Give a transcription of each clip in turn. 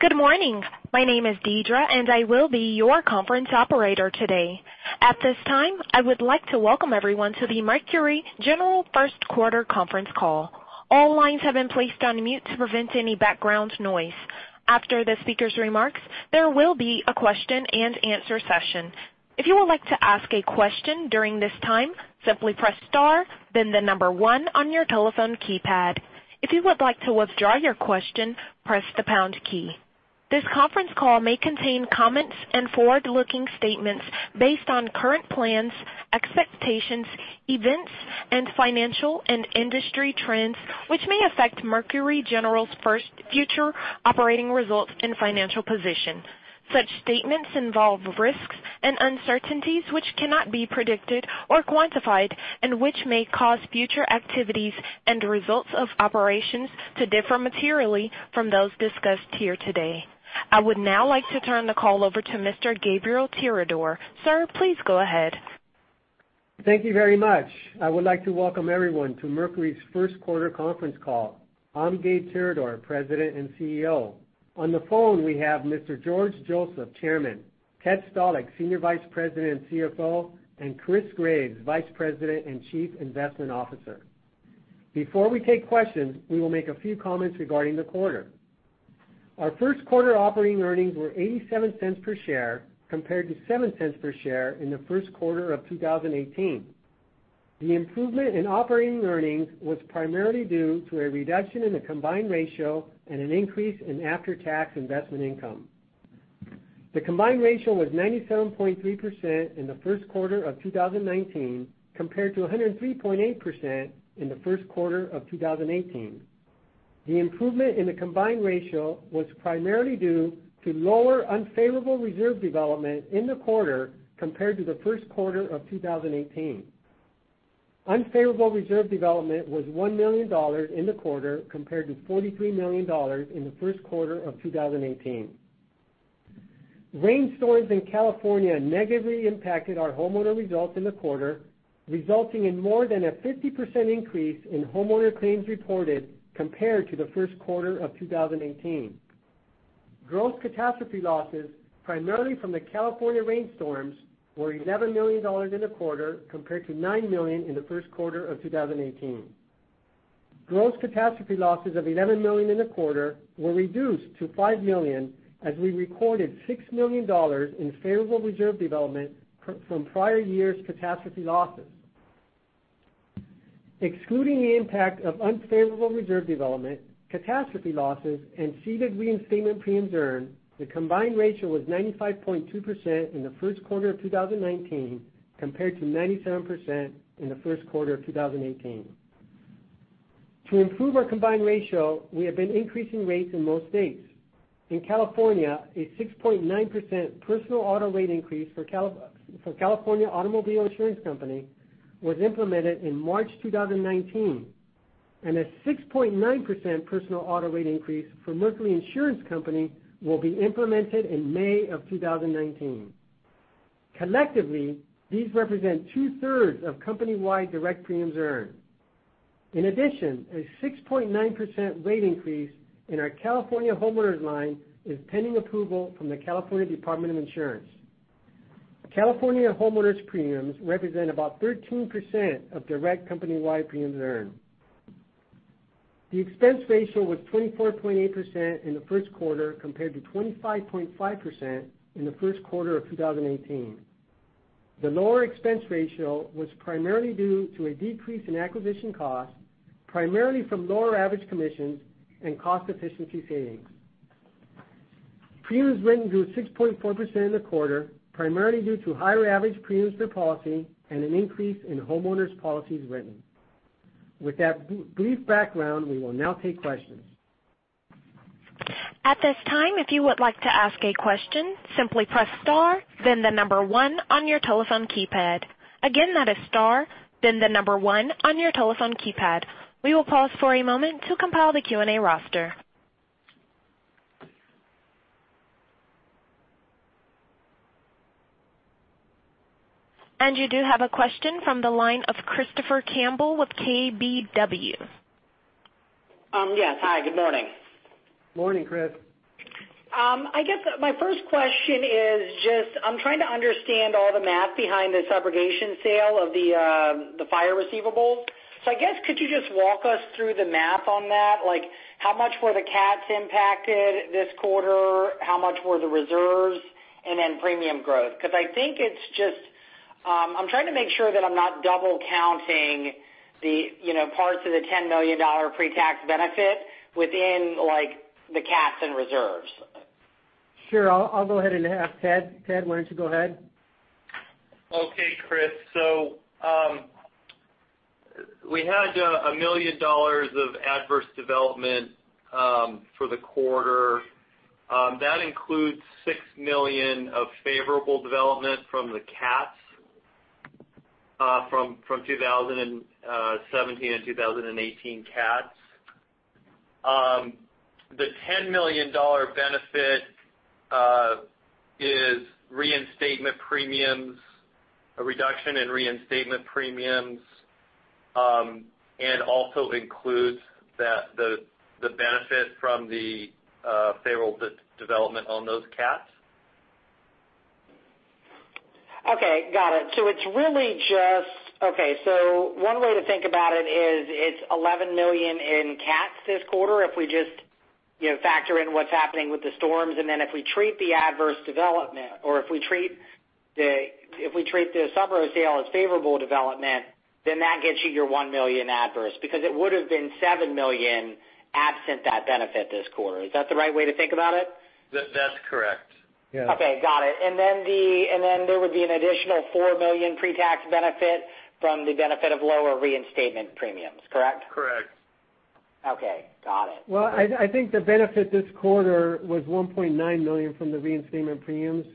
Good morning. My name is Deidra, and I will be your conference operator today. At this time, I would like to welcome everyone to the Mercury General first quarter conference call. All lines have been placed on mute to prevent any background noise. After the speaker's remarks, there will be a question-and-answer session. If you would like to ask a question during this time, simply press star, then the number 1 on your telephone keypad. If you would like to withdraw your question, press the pound key. This conference call may contain comments and forward-looking statements based on current plans, expectations, events, and financial and industry trends which may affect Mercury General's future operating results and financial position. Such statements involve risks and uncertainties which cannot be predicted or quantified and which may cause future activities and results of operations to differ materially from those discussed here today. I would now like to turn the call over to Mr. Gabriel Tirador. Sir, please go ahead. Thank you very much. I would like to welcome everyone to Mercury's first-quarter conference call. I'm Gabe Tirador, President and CEO. On the phone, we have Mr. George Joseph, Chairman, Ted Stalick, Senior Vice President and CFO, and Chris Graves, Vice President and Chief Investment Officer. Before we take questions, we will make a few comments regarding the quarter. Our first-quarter operating earnings were $0.87 per share compared to $0.07 per share in the first quarter of 2018. The improvement in operating earnings was primarily due to a reduction in the combined ratio and an increase in after-tax investment income. The combined ratio was 97.3% in the first quarter of 2019 compared to 103.8% in the first quarter of 2018. The improvement in the combined ratio was primarily due to lower unfavorable reserve development in the quarter compared to the first quarter of 2018. Unfavorable reserve development was $1 million in the quarter compared to $43 million in the first quarter of 2018. Rainstorms in California negatively impacted our homeowner results in the quarter, resulting in more than a 50% increase in homeowner claims reported compared to the first quarter of 2018. Gross catastrophe losses, primarily from the California rainstorms, were $11 million in the quarter compared to $9 million in the first quarter of 2018. Gross catastrophe losses of $11 million in the quarter were reduced to $5 million as we recorded $6 million in favorable reserve development from prior years' catastrophe losses. Excluding the impact of unfavorable reserve development, catastrophe losses, and ceded reinstatement premiums earned, the combined ratio was 95.2% in the first quarter of 2019 compared to 97% in the first quarter of 2018. To improve our combined ratio, we have been increasing rates in most states. In California, a 6.9% personal auto rate increase for California Automobile Insurance Company was implemented in March 2019, and a 6.9% personal auto rate increase for Mercury Insurance Company will be implemented in May of 2019. Collectively, these represent two-thirds of company-wide direct premiums earned. In addition, a 6.9% rate increase in our California homeowners line is pending approval from the California Department of Insurance. California homeowners' premiums represent about 13% of direct company-wide premiums earned. The expense ratio was 24.8% in the first quarter compared to 25.5% in the first quarter of 2018. The lower expense ratio was primarily due to a decrease in acquisition costs, primarily from lower average commissions and cost efficiency savings. Premiums written grew 6.4% in the quarter, primarily due to higher average premiums per policy and an increase in homeowners policies written. With that brief background, we will now take questions. At this time, if you would like to ask a question, simply press star then the number one on your telephone keypad. Again, that is star then the number one on your telephone keypad. We will pause for a moment to compile the Q&A roster. You do have a question from the line of Christopher Campbell with KBW. Yes. Hi, good morning. Morning, Chris. I guess my first question is just I'm trying to understand all the math behind the subrogation sale of the fire receivables. I guess could you just walk us through the math on that? How much were the cats impacted this quarter? How much were the reserves? And then premium growth, because I'm trying to make sure that I'm not double counting the parts of the $10 million pre-tax benefit within the cats and reserves. Sure. I'll go ahead and have Ted. Ted, why don't you go ahead? Okay, Chris. We had $1 million of adverse development for the quarter. That includes $6 million of favorable development from the cats from 2017 and 2018 cats. The $10 million benefit reinstatement premiums, a reduction in reinstatement premiums, and also includes the benefit from the favorable development on those CATs. Okay. Got it. One way to think about it is it's $11 million in CATs this quarter if we just factor in what's happening with the storms, and then if we treat the subro sale as favorable development, then that gets you your $1 million adverse, because it would've been $7 million absent that benefit this quarter. Is that the right way to think about it? That's correct. Yeah. Okay. Got it. There would be an additional $4 million pre-tax benefit from the benefit of lower reinstatement premiums, correct? Correct. Okay. Got it. Well, I think the benefit this quarter was $1.9 million from the reinstatement premiums.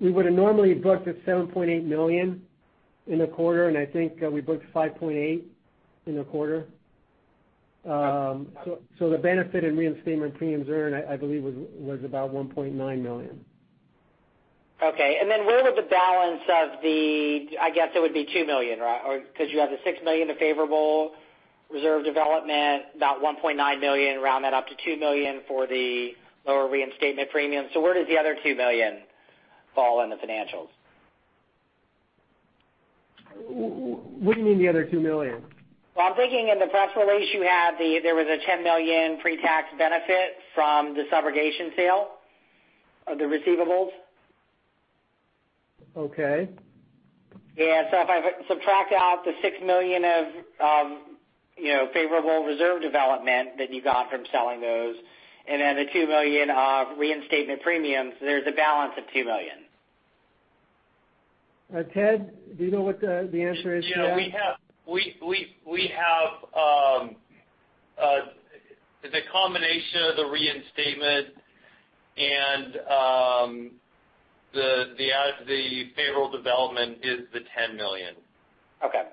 We would've normally booked at $7.8 million in the quarter, and I think we booked $5.8 million in the quarter. The benefit in reinstatement premiums earned, I believe, was about $1.9 million. Okay. Where would the balance of the, I guess it would be $2 million, right? Because you have the $6 million of favorable reserve development, about $1.9 million, round that up to $2 million for the lower reinstatement premiums. Where does the other $2 million fall in the financials? What do you mean the other $2 million? I'm thinking in the press release you had, there was a $10 million pre-tax benefit from the subrogation sale of the receivables. Okay. If I subtract out the $6 million of favorable reserve development that you got from selling those and then the $2 million of reinstatement premiums, there's a balance of $2 million. Ted, do you know what the answer is to that? The combination of the reinstatement and the favorable development is the $10 million. Okay.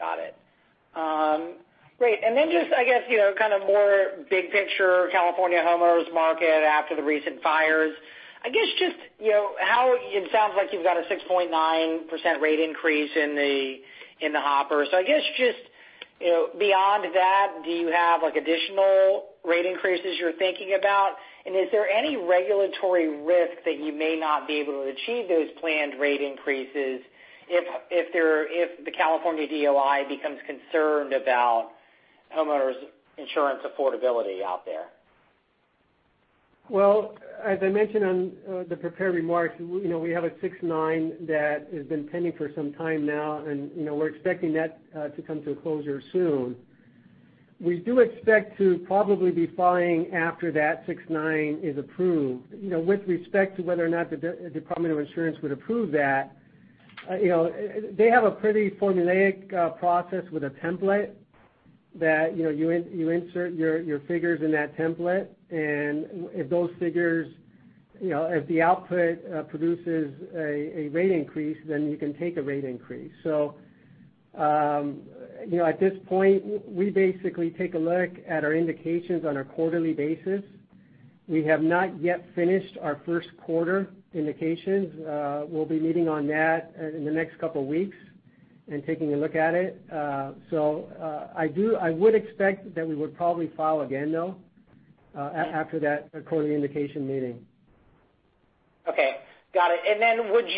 Got it. Great. Just, I guess, kind of more big picture California homeowners market after the recent fires. It sounds like you've got a 6.9% rate increase in the hopper. I guess just beyond that, do you have additional rate increases you're thinking about? Is there any regulatory risk that you may not be able to achieve those planned rate increases if the California DOI becomes concerned about homeowners insurance affordability out there? As I mentioned on the prepared remarks, we have a 6/9 that has been pending for some time now, and we're expecting that to come to a closure soon. We do expect to probably be filing after that 6/9 is approved. With respect to whether or not the Department of Insurance would approve that, they have a pretty formulaic process with a template that you insert your figures in that template, if the output produces a rate increase, you can take a rate increase. At this point, we basically take a look at our indications on a quarterly basis. We have not yet finished our first quarter indications. We'll be meeting on that in the next couple of weeks and taking a look at it. I would expect that we would probably file again, though, after that quarterly indication meeting. Okay. Got it. Would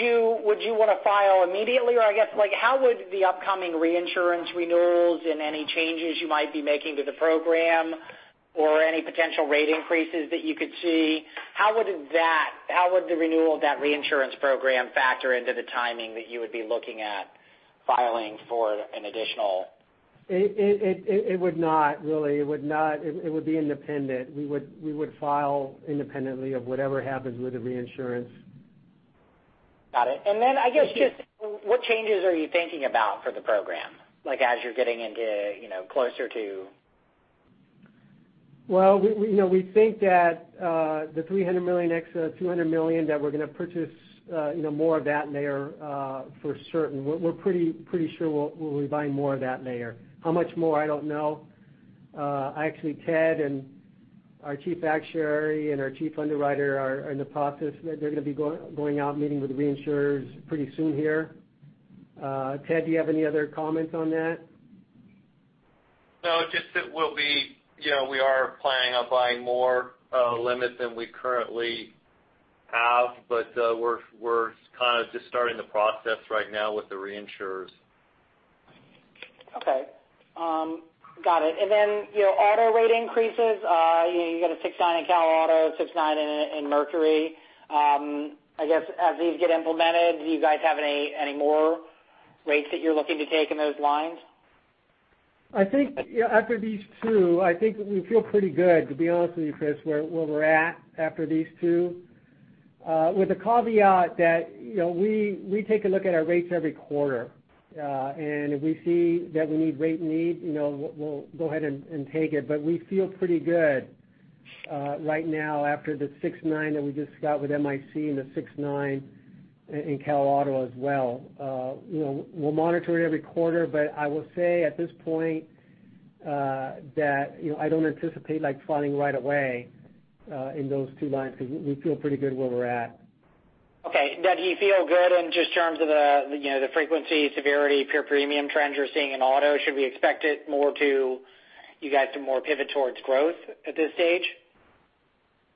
you want to file immediately? I guess, how would the upcoming reinsurance renewals and any changes you might be making to the program or any potential rate increases that you could see, how would the renewal of that reinsurance program factor into the timing that you would be looking at filing for an additional- It would not really. It would be independent. We would file independently of whatever happens with the reinsurance. Got it. I guess, just what changes are you thinking about for the program, as you're getting closer to Well, we think that the $300 million excess of $200 million, that we're going to purchase more of that layer for certain. We're pretty sure we'll be buying more of that layer. How much more, I don't know. Actually, Ted and our chief actuary and our chief underwriter are in the process. They're going to be going out and meeting with reinsurers pretty soon here. Ted, do you have any other comments on that? No, just that we are planning on buying more limits than we currently have, but we're kind of just starting the process right now with the reinsurers. Okay. Got it. Auto rate increases, you got a 6/9 in Cal Auto, 6/9 in Mercury. I guess, as these get implemented, do you guys have any more rates that you're looking to take in those lines? I think after these two, we feel pretty good, to be honest with you, Chris, where we're at after these two, with the caveat that we take a look at our rates every quarter. If we see that we need rate need, we'll go ahead and take it. We feel pretty good right now after the 6.9% that we just got with MIC and the 6.9% in Cal Auto as well. We'll monitor it every quarter. I will say at this point that I don't anticipate filing right away in those two lines because we feel pretty good where we're at. Okay. Do you feel good in just terms of the frequency, severity, pure premium trends you're seeing in auto? Should we expect it more to you guys to more pivot towards growth at this stage?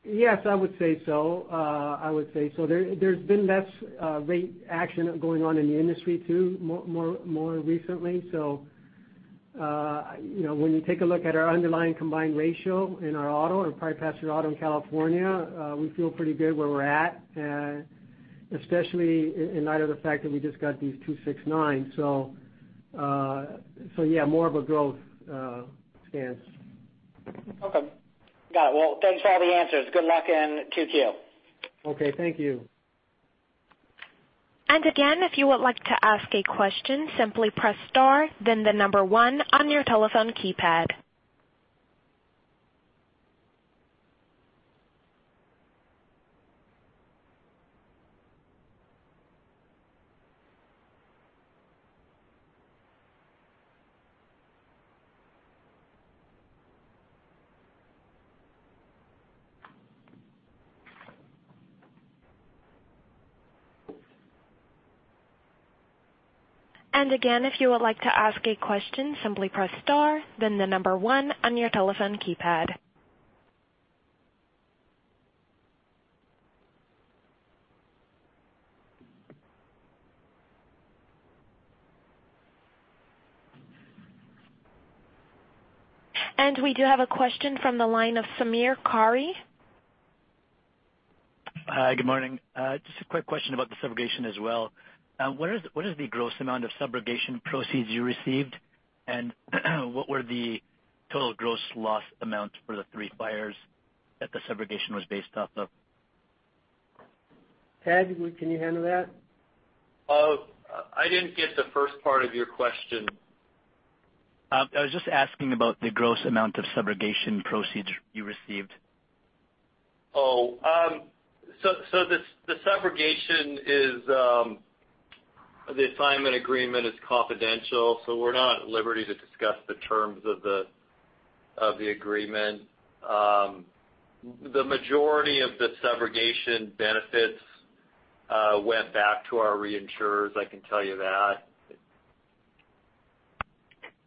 Yes, I would say so. There's been less rate action going on in the industry too, more recently. When you take a look at our underlying combined ratio in our auto, in private passenger auto in California, we feel pretty good where we're at, especially in light of the fact that we just got these two 6.9%. Yeah, more of a growth stance. Okay. Got it. Thanks for all the answers. Good luck in 2Q. Okay. Thank you. Again, if you would like to ask a question, simply press star, then the number 1 on your telephone keypad. Again, if you would like to ask a question, simply press star, then the number 1 on your telephone keypad. We do have a question from the li`ne of Samir Khare. Hi, good morning. Just a quick question about the subrogation as well. What is the gross amount of subrogation proceeds you received, and what were the total gross loss amounts for the three fires that the subrogation was based off of? Ted, can you handle that? I didn't get the first part of your question. I was just asking about the gross amount of subrogation proceeds you received. Oh. The assignment agreement is confidential, so we're not at liberty to discuss the terms of the agreement. The majority of the subrogation benefits went back to our reinsurers, I can tell you that.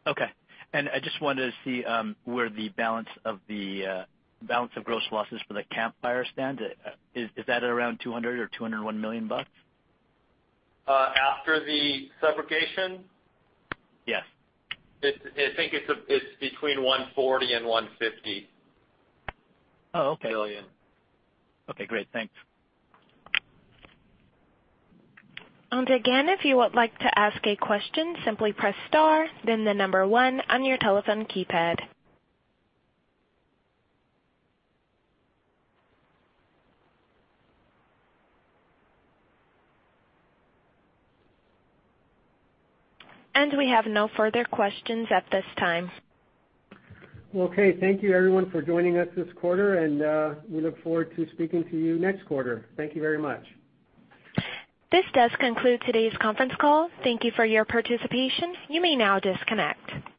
Okay. I just wanted to see where the balance of gross losses for the Camp Fire stands. Is that around $200 million or $201 million? After the subrogation? Yes. I think it's between $140 and $150. Oh, okay. Million. Okay, great. Thanks. Again, if you would like to ask a question, simply press star, then number 1 on your telephone keypad. We have no further questions at this time. Okay. Thank you everyone for joining us this quarter. We look forward to speaking to you next quarter. Thank you very much. This does conclude today's conference call. Thank you for your participation. You may now disconnect.